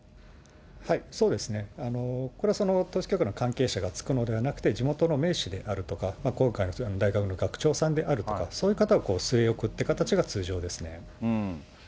これは統一教会の関係者が就くのではなくて、地元の名士であるとか、今回、大学の学長さんであるとか、そういう方を据え置くって形が通常ですね。